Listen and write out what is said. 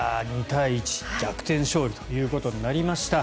２対１、逆転勝利ということになりました。